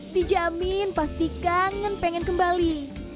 dijamin pasti kangen pengen kembali